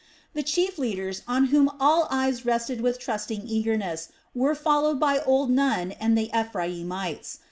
The chief leaders, on whom all eyes rested with trusting eagerness, were followed by old Nun and the Ephraimites.